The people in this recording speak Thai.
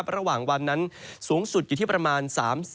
ระหว่างวันนั้นสูงสุดอยู่ที่ประมาณ